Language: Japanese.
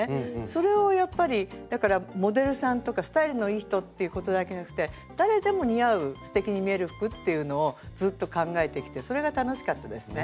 それをやっぱりだからモデルさんとかスタイルのいい人っていうことだけじゃなくて誰でも似合うすてきに見える服っていうのをずっと考えてきてそれが楽しかったですね。